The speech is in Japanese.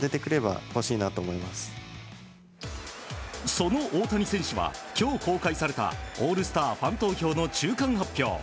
その大谷選手は今日、公開されたオールスターファン投票の中間発表